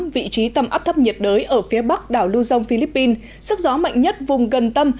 vị trí tầm áp thấp nhiệt đới ở phía bắc đảo luzon philippines sức gió mạnh nhất vùng gần tâm